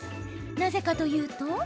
なぜかというと。